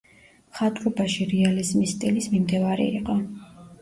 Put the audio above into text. მხატვრობაში რეალიზმის სტილის მიმდევარი იყო.